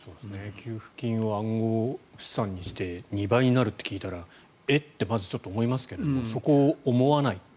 給付金を暗号資産にして２倍になるって聞いたらえっ？ってまず思いますけどそこを思わないという。